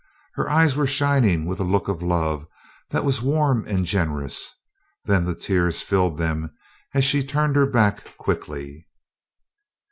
Her eyes were shining with a look of love that was warm and generous; then the tears filled them and she turned her back quickly.